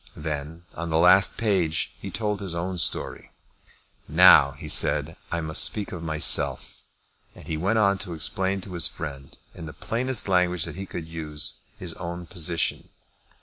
Then, on the last page, he told his own story. "Now," he said, "I must speak of myself:" and he went on to explain to his friend, in the plainest language that he could use, his own position.